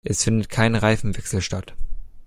Es findet kein Reifenwechsel statt.